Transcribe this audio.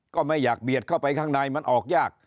ก็ไม่อยากเบียดเข้าไปข้างในมันออกยาก